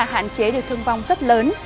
hạn chế được thương vong rất lớn